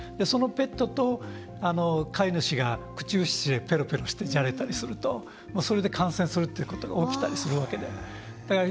そのペットと飼い主が口移しでペロペロしてじゃれたりするとそれで感染するっていうことが起きたりするわけで。